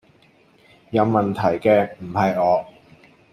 有問題既唔係我